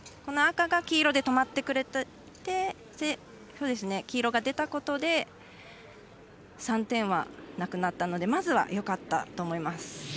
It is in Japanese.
黄色で止まってくれて黄色が出たことで３点はなくなったのでまずは、よかったと思います。